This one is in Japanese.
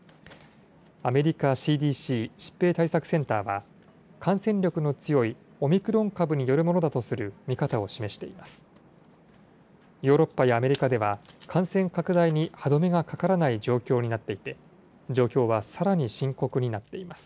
アメリカＣＤＣ・疾病対策センターは、感染力の強いオミクロン株によるものだとする見方を示しています。